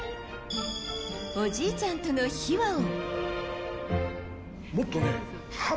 おじいちゃんとの秘話を。